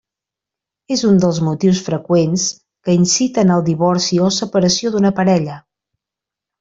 És un dels motius freqüents que inciten al divorci o separació d'una parella.